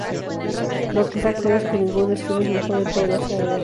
Lo que está claro es que ningún estilo es mejor en todas las tareas.